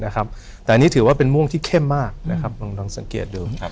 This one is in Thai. แต่อันนี้ถือว่าเป็นม่วงที่เข้มมากนะครับลองสังเกตดูครับ